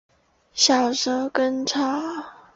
小蛇根草